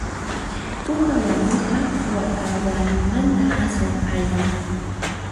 Uha wanuqa waka wanumanta aswan allin.